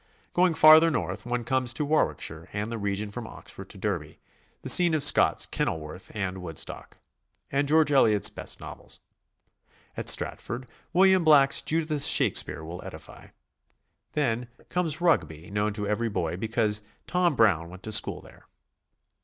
Going farther north one comes to Warwickshire and the region from Oxford to Derby, the scene of .Scott's "Kenilworth" and "Woodstock," and George Eliot's best novels. At Stratford William Black's "Judith Shakespeare" will edify. Then comes Rugby, known to every boy because "Tom Brown" went to school there.